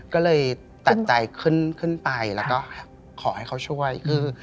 ก็เลยตัดใจขึ้นไปแล้วก็ขอให้เขาช่วย